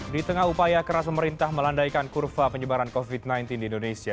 di tengah upaya keras pemerintah melandaikan kurva penyebaran covid sembilan belas di indonesia